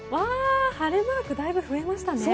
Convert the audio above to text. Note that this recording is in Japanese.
晴れマークだいぶ増えましたね。